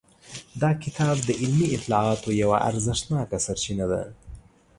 دا کتاب د علمي اطلاعاتو یوه ارزښتناکه سرچینه ده.